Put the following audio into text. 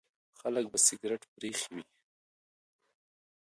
خلک به سګریټ پرېښی وي.